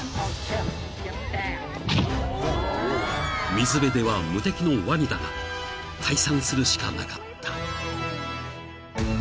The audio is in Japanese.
［水辺では無敵のワニだが退散するしかなかった］